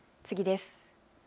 次です。